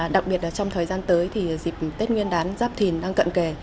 đặc biệt trong thời gian tới dịp tết nguyên đán giáp thìn đang cận kề